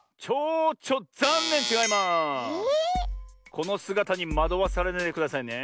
このすがたにまどわされないでくださいね。